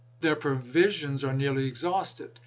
Their provisions are nearly exhausted.